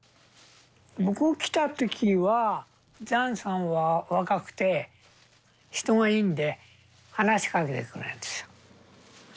僕来た時はジャンさんは若くて人がいいんで話しかけてくれるんですよ。